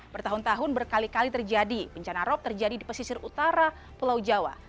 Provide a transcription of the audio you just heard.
bertahun tahun berkali kali terjadi bencana rop terjadi di pesisir utara pulau jawa